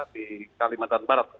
di kalimantan barat